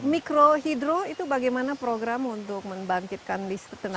mikro hidro itu bagaimana program untuk membangkitkan tenaga listrik itu